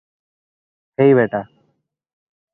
হেই, বেটা।